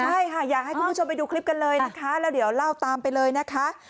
ใช่ค่ะอยากให้คุณผู้ชมไปดูคลิปกันเลยนะคะแล้วเดี๋ยวเล่าตามไปเลยนะคะ